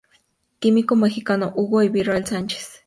Químico mexicano Hugo E. Villarreal Sánchez.